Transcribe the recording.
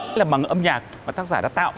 đây là bằng âm nhạc mà tác giả đã tạo